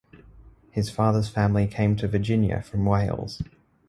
His father's family came to Virginia from Wales.